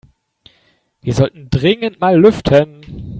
Wir sollten dringend mal lüften.